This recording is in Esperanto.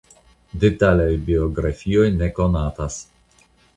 Detaloj biografiaj ne konatas.